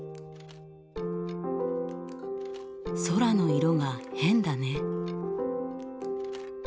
空の色が変だね。